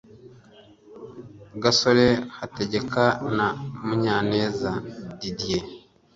Gasore Hategeka na Munyaneza Didier